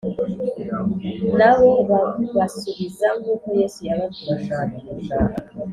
Nabo babasubiza nk’uko Yesu yababwiye